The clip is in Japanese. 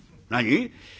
『何？』。